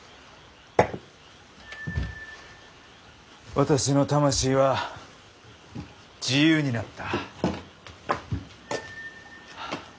私の魂は自由になった。